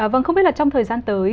vâng không biết là trong thời gian tới